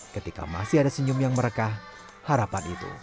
ketika masih ada senyum yang merekah harapan itu